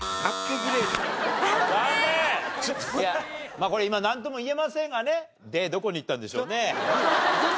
まあこれ今なんとも言えませんがね「デ」どこにいったんでしょうね？